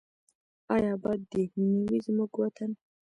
آیا اباد دې نه وي زموږ وطن؟